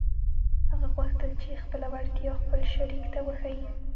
هغه غوښتل خپله وړتيا خپل شريک ته وښيي.